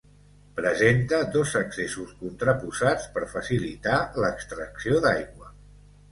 Presenta dos accessos contraposats per facilitar l'extracció d'aigua.